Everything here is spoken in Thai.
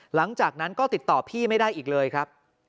หลังจากนั้นก็ติดต่อพี่ไม่ได้อีกเลยครับ